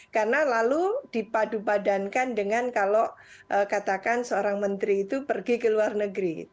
karena lalu dipadupadankan dengan kalau katakan seorang menteri itu pergi ke luar negeri